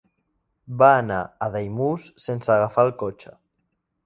Va anar a Daimús sense agafar el cotxe.